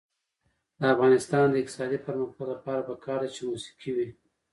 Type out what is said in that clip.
د افغانستان د اقتصادي پرمختګ لپاره پکار ده چې موسیقي وي.